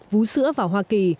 vú sữa vào hoa kỳ